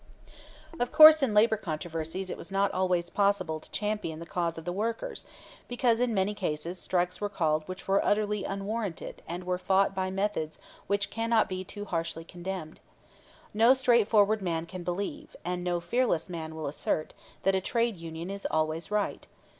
Of course, in labor controversies it was not always possible to champion the cause of the workers, because in many cases strikes were called which were utterly unwarranted and were fought by methods which cannot be too harshly condemned. No straightforward man can believe, and no fearless man will assert, that a trade union is always right.